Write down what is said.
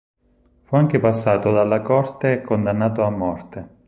Fu anche passato dalla corte e condannato a morte.